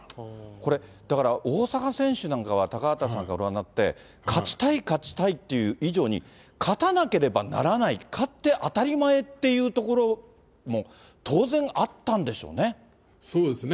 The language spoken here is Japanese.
これ、だから、大坂選手なんかは、高畑さんからご覧になって、勝ちたい勝ちたいっていう以上に、勝たなければならない、勝って当たり前っていうところも、当然あったんでしょうね。